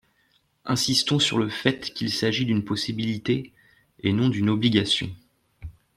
Insistons sur le fait qu’il s’agit d’une possibilité et non d’une obligation.